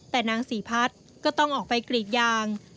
แต่นางศรีพัฒน์ก็ต้องออกไปกรีดยาง